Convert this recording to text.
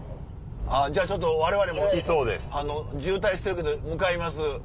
じゃあちょっとわれわれも渋滞してるけど向かいます。